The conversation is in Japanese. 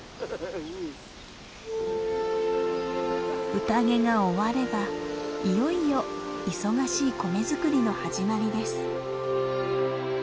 うたげが終わればいよいよ忙しい米作りの始まりです。